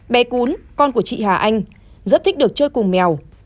bé cún con của chị hà anh rất thích được chơi cùng mèo